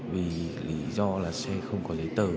vì lý do là xe không có lấy tờ